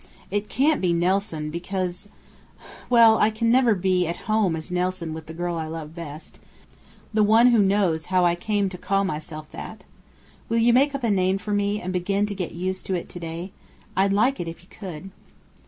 It can't be Nelson, because well, I can never be at home as Nelson with the girl I love best the one who knows how I came to call myself that. Will you make up a name for me, and begin to get used to it to day? I'd like it if you could."